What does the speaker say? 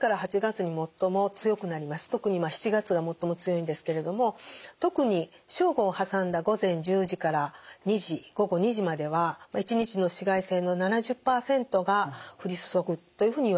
特に７月が最も強いんですけれども特に正午を挟んだ午前１０時から午後２時までは１日の紫外線の７０％が降り注ぐというふうにいわれてます。